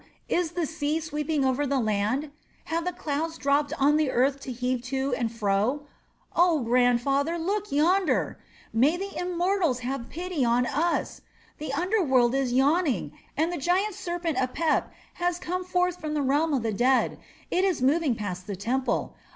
Is the sea sweeping over the land? Have the clouds dropped on the earth to heave to and fro? Oh, grandfather, look yonder! May the Immortals have pity on us! The under world is yawning, and the giant serpent Apep has come forth from the realm of the dead. It is moving past the temple.